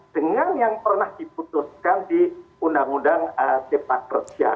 dengan yang pernah diputuskan di undang undang tepat persia